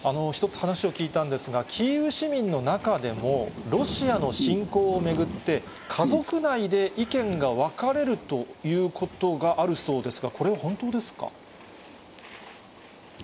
１つ話を聞いたんですが、キーウ市民の中でも、ロシアの侵攻を巡って、家族内で意見が分かれるということがあるそうですが、これは本当ですか？